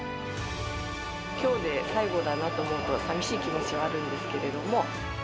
きょうで最後だなと思うと、さみしい気持ちはあるんですけども。